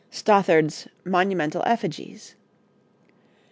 Stothard's 'Monumental Effigies.'